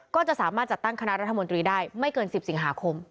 ก็จะสามารถจัดตั้งคณะรัฐมนตรีได้ไม่เกิน๑๐สิงหาคม